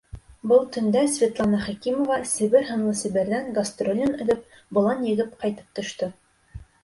Был төндә Светлана Хәкимова Себер һынлы Себерҙән гастролен өҙөп, болан егеп ҡайтып төштө...